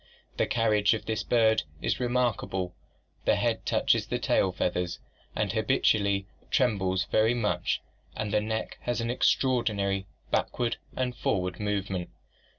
The carriage of this bird is remark able, the head touches the tail feathers, and habitually trembles very much, and the neck has an extraordinary backward and for ward movement.